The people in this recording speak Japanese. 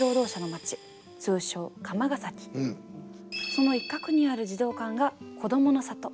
その一角にある児童館が「こどもの里」。